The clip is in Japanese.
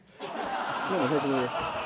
どうもお久しぶりです。